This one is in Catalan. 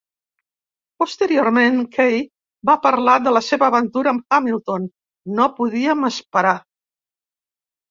Posteriorment, Kaye va parlar de la seva aventura amb Hamilton: No podíem esperar.